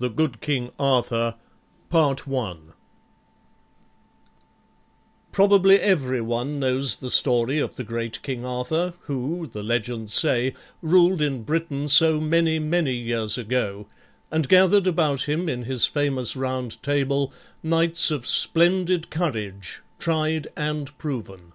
THE GOOD KING ARTHUR Probably every one knows the story of the great King Arthur who, the legends say, ruled in Britain so many, many years ago and gathered about him in his famous Round Table, knights of splendid courage, tried and proven.